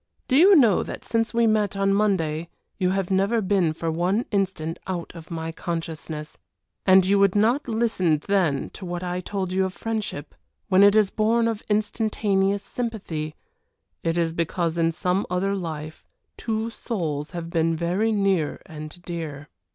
Do you know that since we met on Monday you have never been for one instant out of my consciousness. And you would not listen then to what I told you of friendship when it is born of instantaneous sympathy it is because in some other life two souls have been very near and dear.